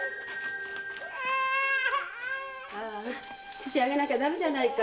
乳をあげなきゃだめじゃないか。